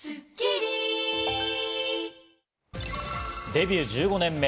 デビュー１５年目。